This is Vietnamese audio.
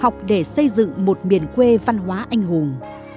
học để thành người học để xây dựng một miền quê văn hóa anh hùng